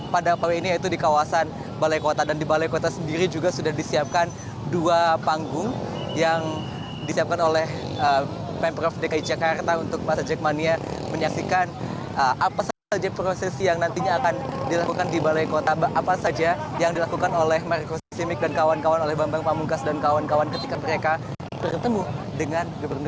pada hari ini saya akan menunjukkan kepada anda